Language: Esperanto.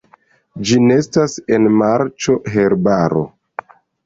Ĝi nestas en marĉo, herbaro.